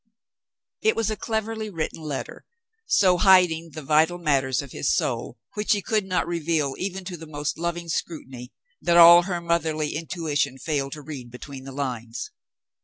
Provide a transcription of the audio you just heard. It was a cleverly written letter, so hiding the vital matters of his soul, which he could not reveal even to the most loving scrutiny, that all her motherly intuition failed to read between the lines.